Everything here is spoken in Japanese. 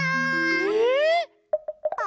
えっ！